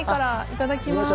いただきます。